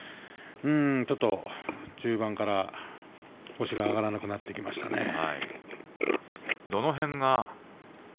ちょっと中盤から星が挙がらなくなってきましたね。